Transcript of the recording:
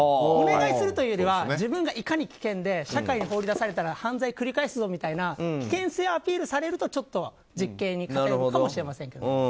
お願いするというよりは自分がいかに危険で社会に放り出されたら犯罪を繰り返すぞみたいな危険性をアピールされるとちょっと実刑になるかもしれませんけど。